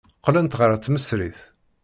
Qqlent ɣer tmesrit.